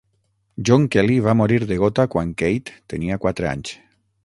John Kelly va morir de gota quan Kate tenia quatre anys.